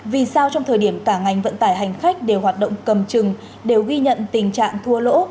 vì sao trong thời điểm cả ngành vận tải hành khách đều hoạt động cầm chừng đều ghi nhận tình trạng thua lỗ